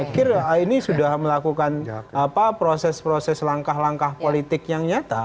saya kira ini sudah melakukan proses proses langkah langkah politik yang nyata